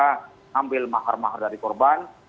sehingga dia bisa mengambil mahar mahar dari korban